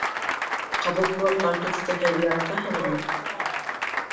Ҡабыҡлы картуфты һеҙ яратаһығыҙмы?